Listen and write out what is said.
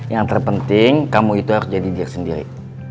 yang terpenting kamu itu harus jadi dia sendiri